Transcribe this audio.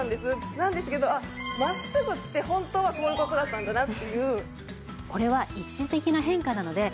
なんですけど真っすぐって本当はこういう事だったんだなっていう。